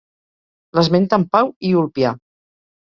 L'esmenten Pau i Ulpià.